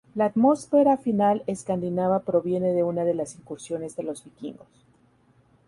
La atmósfera final escandinava proviene de una de las incursiones de los Vikingos.